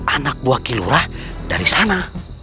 anak buah kilurah dari sana